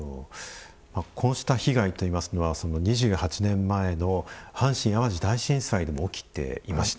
こうした被害といいますのは２８年前の阪神・淡路大震災でも起きていました。